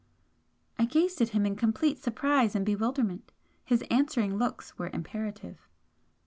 I gazed at him in complete surprise and bewilderment. His answering looks were imperative.